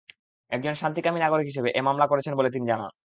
একজন শান্তিকামী নাগরিক হিসেবে এ মামলা করেছেন বলে তিনি জানান।